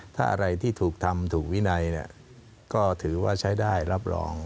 ถ้าอะไรที่ถูกทำถูกวินัยก็ถือว่าใช้ได้รับรอง